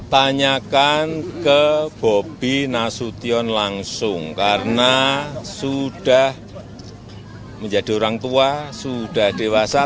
tanyakan ke bobi nasution langsung karena sudah menjadi orang tua sudah dewasa